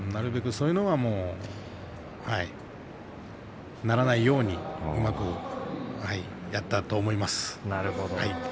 そういうのはならないようにうまくやったと思います。